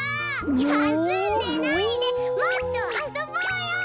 やすんでないでもっとあそぼうよ！